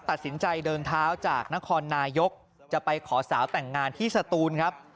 ตัดสินใจเดินเท้าจากนครนายกจะไปขอสาวแต่งงานที่สตูนครับ